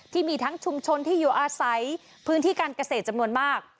ที่มีทั้งชุมชนที่อยู่อาศัยพื้นที่การเกษตรจำนวนมาก